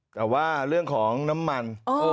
แต่ว่าเรื่องของน้ำมัน